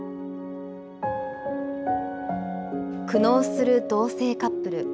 苦悩する同性カップル。